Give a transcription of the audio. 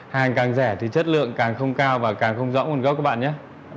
hàng càng rẻ thì chất lượng càng không cao và càng không rõ nguồn gốc của các bạn nhé